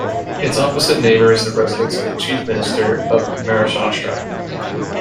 Its opposite neighbour is the residence of the Chief Minister of Maharashtra.